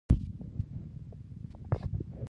د تخار په ورسج کې څه شی شته؟